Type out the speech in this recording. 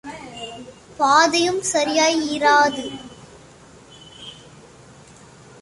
பாதையும் சரியாய் இராது.